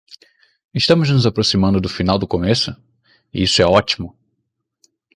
Estamos nos aproximando do final do começo? e isso é ótimo!